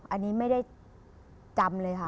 อันนี้ไม่ได้จำเลยค่ะ